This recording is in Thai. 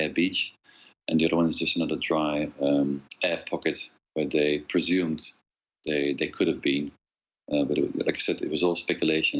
อาหารได้ที่ซานก็มีความยากเสียจากคุณ